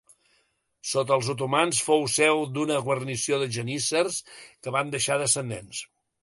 Sota els otomans fou seu d'una guarnició de geníssers que van deixar descendents.